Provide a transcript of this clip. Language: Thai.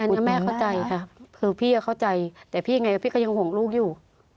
อันนี้แม่เข้าใจค่ะคือพี่เข้าใจแต่พี่ยังไงพี่ก็ยังห่วงลูกอยู่